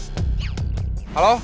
jangan lupa untuk berlangganan